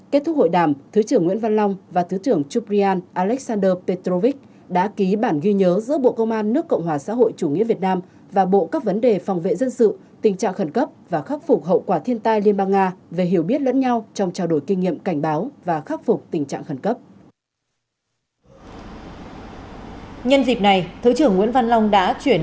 tại hội đàm với bộ các vấn đề phòng vệ dân sự tình trạng khẩn cấp và khắc phục thiên tai liên bang nga lãnh đạo hai bộ thống nhất trong thời gian tới sẽ tiếp tục đẩy mạnh quan hệ hợp tác cùng chia sẻ kinh nghiệm về cảnh báo và phòng ngừa ứng phó với các tình huống khẩn cấp